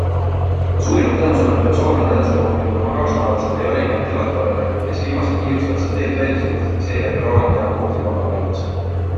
Suurimad tänusõnad peab soomlane edastama muidugi oma kaasmaalasele Jari-Matti Latvalale, kes viimasel kiiruskatsel teelt välja sõitis ning seeläbi Rovanperä punktikohale aitas.